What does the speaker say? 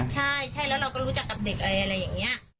ใช่ใช่แล้วเราก็รู้จักกับเด็กอะไรอย่างนี้